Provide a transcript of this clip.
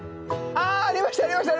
ありました。